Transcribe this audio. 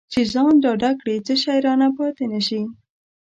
چې ځان ډاډه کړي څه شی رانه پاتې نه شي.